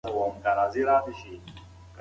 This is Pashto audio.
زه غواړم چې په راتلونکي کې یو نومیالی ادیب شم.